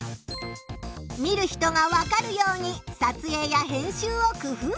見る人がわかるように撮影や編集を工夫する。